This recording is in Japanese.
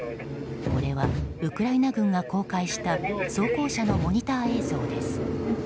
これはウクライナ軍が公開した装甲車のモニター映像です。